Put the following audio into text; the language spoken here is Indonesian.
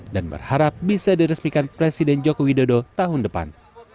dan berharap bisa diresmikan presiden joko widodo tahun depan